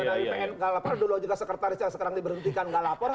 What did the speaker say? gimana pn nggak lapor dulu juga sekretaris yang sekarang diberhentikan nggak lapor